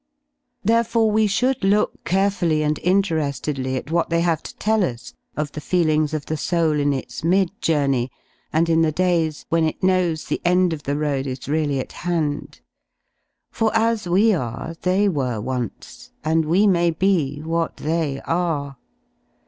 Therefore we should look carefully and intere^edly at what they have to tell us of the feelings of the soul in its mid journey and in the days when it knows the end of the road is really at hand. For as we are they were once, and we may be what they are.